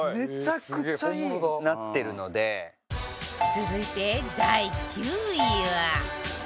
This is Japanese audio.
続いて第９位は